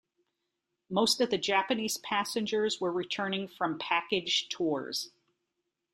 Most of the Japanese passengers were returning from package tours.